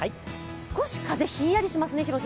少し風がひんやりしますね。